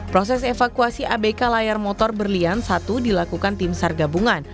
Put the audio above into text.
proses evakuasi abk layar motor berlian satu dilakukan tim sar gabungan